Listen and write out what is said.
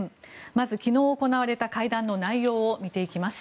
まず、昨日行われた会談の内容を見ていきます。